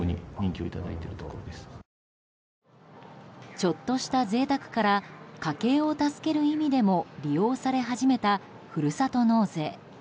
ちょっとした贅沢から家計を助ける意味でも利用され始めた、ふるさと納税。